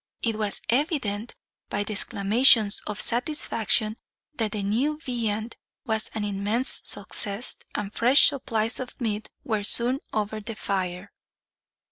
It was evident, by the exclamations of satisfaction, that the new viand was an immense success; and fresh supplies of meat were soon over the fire.